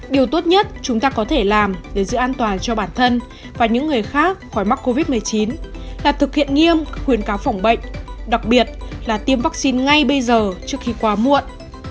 điều tốt nhất chúng ta có thể làm để giữ an toàn cho bản thân và những người khác khỏi mắc covid một mươi chín là thực hiện nghiêm khuyến cáo phòng bệnh đặc biệt là tiêm vaccine ngay bây giờ trước khi quá muộn